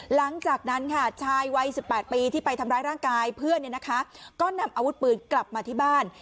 หลังจากนั้นค่ะชายวัย๑๘ปีที่ไปทำร้ายร่างกายเพื่อนเนี่ยนะคะก็นำอาวุธปืนกลับมาที่บ้าน